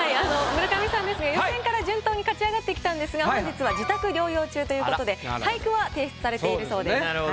村上さんですが予選から順当に勝ち上がってきたんですが本日は自宅療養中ということで俳句は提出されているそうです。